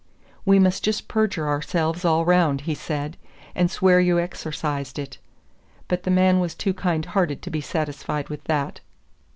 "We must just perjure ourselves all round," he said, "and swear you exorcised it;" but the man was too kind hearted to be satisfied with that.